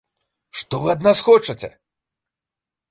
Што вы ад нас хочаце?